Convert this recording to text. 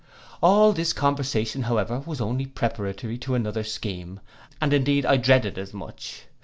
All this conversation, however, was only preparatory to another scheme, and indeed I dreaded as much.